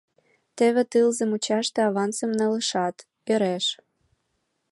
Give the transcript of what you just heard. Теве тылзе мучаште авансым налешат, ӧреш.